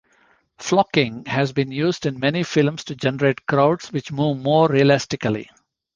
Flocking has been used in many films to generate crowds which move more realistically.